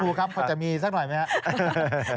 คุณครูครับเขาจะมีสักหน่อยไหมครับ